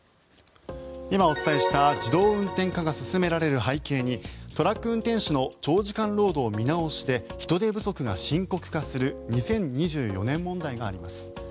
今お伝えした自動運転化が進められる背景にトラック運転手の長時間労働見直しで人手不足が深刻化する２０２４年問題があります。